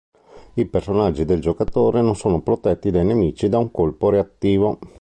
I personaggi del giocatore non sono protetti dai nemici da un colpo reattivo.